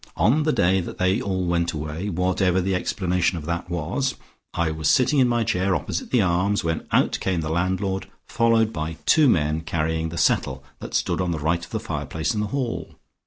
On the day that they all went away, whatever the explanation of that was, I was sitting in my chair opposite the Arms, when out came the landlord followed by two men carrying the settle that stood on the right of the fireplace in the hall.